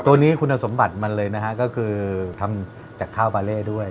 ตัวนี้คุณสมบัติมันเลยนะฮะก็คือทำจากข้าวบาเล่ด้วย